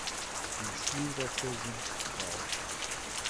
Die Schulröcke sind grau.